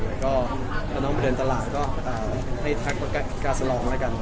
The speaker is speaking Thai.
แล้วก็ถ้าน้องไปเดินตลาดก็ให้แท็กกาสลองแล้วกัน